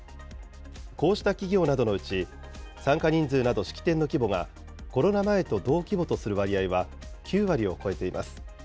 こうした企業などのうち、参加人数など式典の規模がコロナ前と同規模とする割合は９割を超えています。